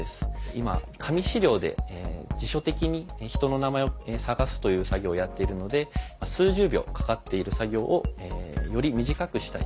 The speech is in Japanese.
今紙資料で辞書的に人の名前を探すという作業をやっているので数十秒かかっている作業をより短くしたい。